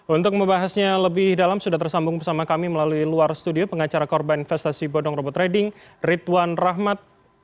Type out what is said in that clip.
untuk membahasnya lebih dalam sudah tersambung bersama kami melalui luar studio pengacara korban investasi bodong robot trading ridwan rahmat